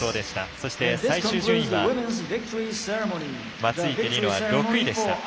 そして、最終順位は松生理乃は６位でした。